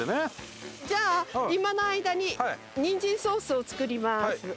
じゃあ、今の間にニンジンソースを作ります。